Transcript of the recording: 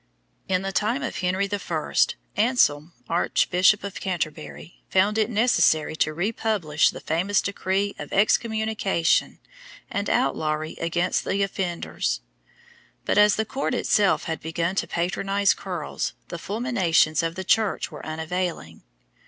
In the time of Henry I., Anselm, Archbishop of Canterbury, found it necessary to republish the famous decree of excommunication and outlawry against the offenders; but, as the court itself had begun to patronise curls, the fulminations of the Church were unavailing.